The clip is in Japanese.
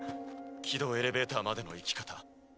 軌道エレベーターまでの行き方。